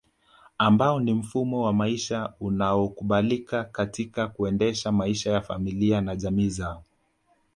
Ambao ni mfumo wa maisha walioukubali katika kuendesha maisha ya familia na jamii zao